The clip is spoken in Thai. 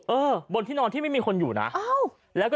เออบนที่นอนที่ไม่มีคนอยู่นะ